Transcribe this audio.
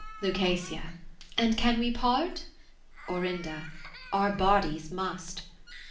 Luc. And can we part ? Orin. Our bodies must.